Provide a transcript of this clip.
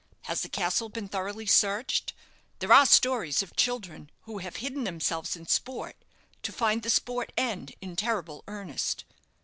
Has the castle been thoroughly searched? There are stories of children who have hidden themselves in sport, to find the sport end in terrible earnest."